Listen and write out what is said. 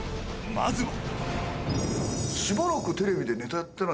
まずは。